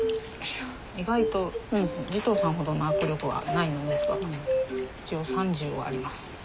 意外と慈瞳さんほどの握力はないのですが一応３０はあります。